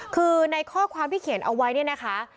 คือในข้อความที่เขียนเอาไว้เนี่ยนะคะ